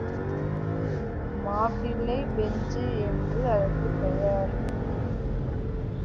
மாப்பிள்ளை பெஞ்சு என்று அதற்குப் பெயர்.